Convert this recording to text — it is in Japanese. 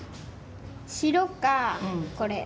白かこれ。